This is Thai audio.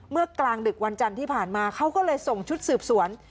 กลางดึกวันจันทร์ที่ผ่านมาเขาก็เลยส่งชุดสืบสวน